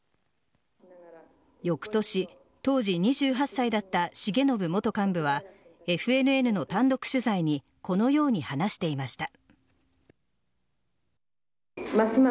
翌年同時２８歳だった重信元幹部はＦＮＮの単独取材にこのように話していました。